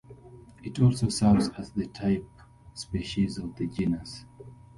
It also serves as the type species of the genus.